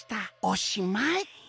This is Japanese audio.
おしまい！」。